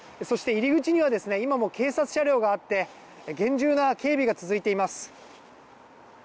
そして入り口には今も警察車両があって厳重な警備が続いています。